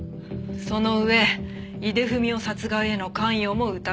その上井出文雄殺害への関与も疑われている。